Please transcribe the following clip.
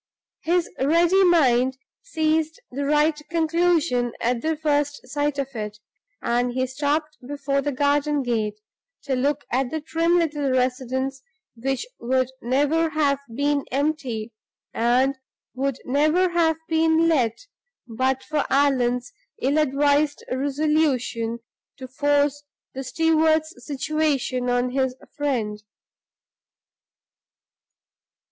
His ready mind seized the right conclusion at the first sight of it; and he stopped before the garden gate, to look at the trim little residence which would never have been empty, and would never have been let, but for Allan's ill advised resolution to force the steward's situation on his friend.